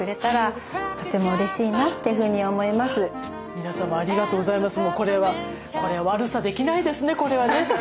皆様ありがとうございます。